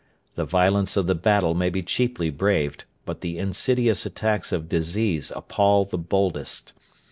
The violence of the battle may be cheaply braved, but the insidious attacks of disease appal the boldest.